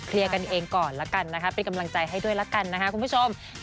กันเองก่อนละกันนะคะเป็นกำลังใจให้ด้วยละกันนะคะคุณผู้ชม